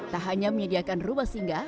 tak hanya menyediakan rumah singgah